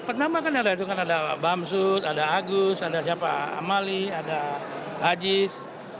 pertama kan ada itu kan ada bamsud ada agus ada siapa amali ada aziz